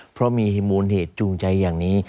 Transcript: เพราะมีมูลเหตุจูงใจอย่างนี้